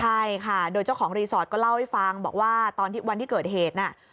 ใช่ค่ะโดยเจ้าของรีสอสก็เล่าไปฟังบอกว่าวันที่เกิดเหตุนา